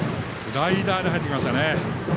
スライダーで入ってきましたね。